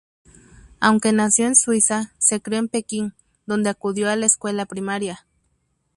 Aunque nació en Suiza, se crio en Pekín, donde acudió a la escuela primaria.